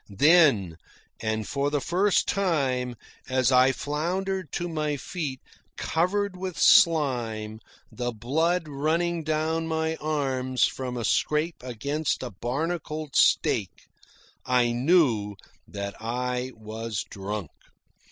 Then, and for the first time, as I floundered to my feet covered with slime, the blood running down my arms from a scrape against a barnacled stake, I knew that I was drunk.